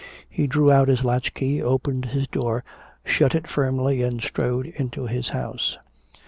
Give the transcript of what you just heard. He drew out his latchkey, opened his door, shut it firmly and strode into his house.